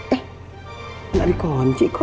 eh gak ada kunci kok